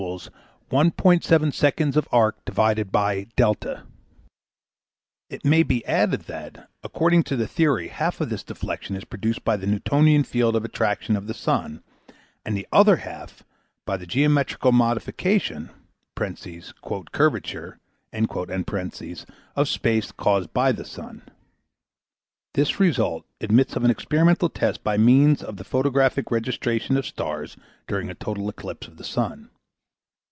42: file eq42.gif It may be added that, according to the theory, half of Figure 05 this deflection is produced by the Newtonian field of attraction of the sun, and the other half by the geometrical modification (" curvature ") of space caused by the sun. This result admits of an experimental test by means of the photographic registration of stars during a total eclipse of the sun.